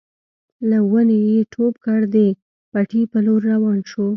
له ونې يې ټوپ کړ د پټي په لور روان شو.